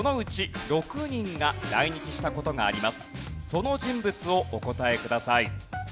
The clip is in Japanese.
その人物をお答えください。